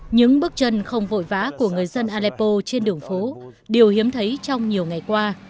những bước chân không vội vã của người dân alepo trên đường phố điều hiếm thấy trong nhiều ngày qua